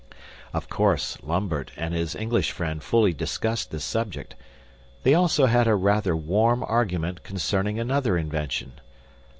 Of course, Lambert and his English friend fully discussed this subject. They also had a rather warm argument concerning another invention.